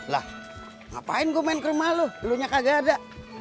lah ngapain gue main ke rumah lo lo nya gak ada